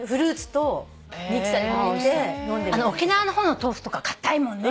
沖縄の方の豆腐とか硬いもんね。